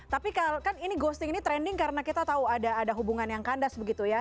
tapi kan ini ghosting ini trending karena kita tahu ada hubungan yang kandas begitu ya